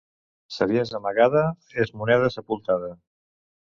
Saviesa amagada és moneda sepultada.